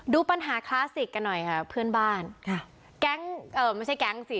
ดูปัญหาคลาสสิกกันหน่อยค่ะเพื่อนบ้านค่ะแก๊งเอ่อไม่ใช่แก๊งสิ